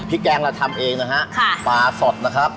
แกงเราทำเองนะฮะปลาสดนะครับ